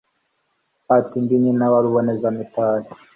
Ati: ndi nyina wa Ruboneza-mitari